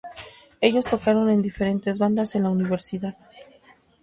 Ellos tocaron en diferentes bandas en la universidad.